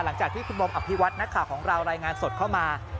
หลังจากที่คุณบอมอภิวัตนักข่าวของเรารายงานสดเข้ามา